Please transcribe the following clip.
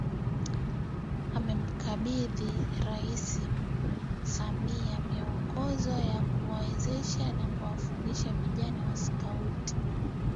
Amemkabidhi Rais Samia Miongozo ya kuwawezesha na kuwafundisha vijana wa Skauti